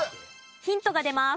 ヒントが出ます。